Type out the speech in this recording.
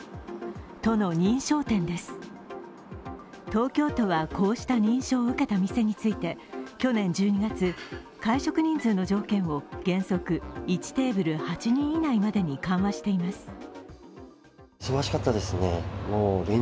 都の認証店です、東京都はこうした認証を受けた店について去年１２月、会食人数の条件を原則１テーブル８人以内までに緩和しています。